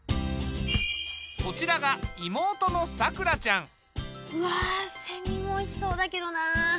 こちらが妹のさくらちゃん。わセミもおいしそうだけどな。